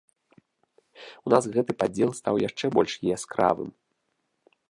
У нас гэты падзел стаў яшчэ больш яскравым.